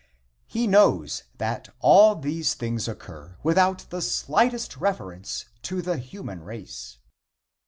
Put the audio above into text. He knows that all these things occur without the slightest reference to the human race.